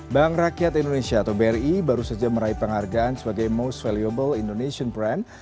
bank rakyat indonesia atau bri baru saja meraih penghargaan sebagai most valuable indonesian brand